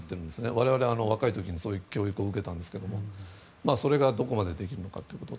我々、若い時にそういう教育を受けたんですけどもそれがどこまでできるのかということ。